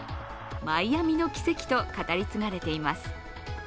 マイアミの奇跡と語り継がれています。